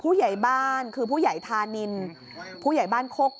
พอหลังจากเกิดเหตุแล้วเจ้าหน้าที่ต้องไปพยายามเกลี้ยกล่อม